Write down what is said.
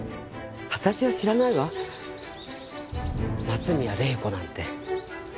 私は知らないわ松宮玲子なんて。